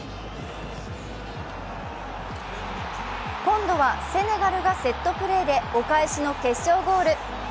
今度はセネガルがセットプレーでお返しの決勝ゴール。